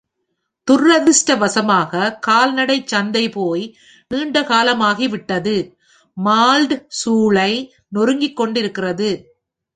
துரதிர்ஷ்டவசமாக, கால்நடை சந்தை போய் நீண்ட காலமாகிவிட்டது, மால்ட் சூளை நொறுங்கிக்கொண்டிருக்கிறது.